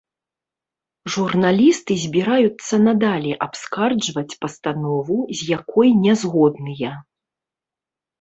Журналісты збіраюцца надалей абскарджваць пастанову, з якой не згодныя.